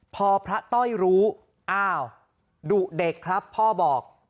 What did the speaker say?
พอพระต้อยรู้อ้าวดุเด็กครับพ่อบอก